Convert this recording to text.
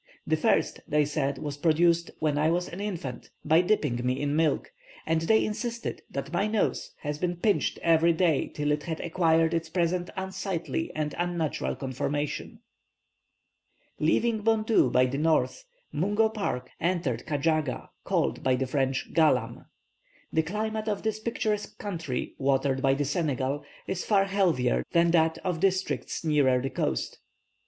The first, they said, was produced, when I was an infant, by dipping me in milk, and they insisted that my nose had been pinched every day till it had acquired its present unsightly and unnatural conformation." Leaving Bondou by the north, Mungo Park entered Kajaaga, called by the French Galam. The climate of this picturesque country, watered by the Senegal, is far healthier than that of districts nearer the coast.